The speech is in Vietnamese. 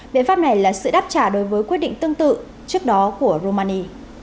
biện pháp này là sự đáp trả đối với quyết định tương tự trước đó của romani